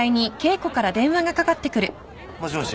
もしもし。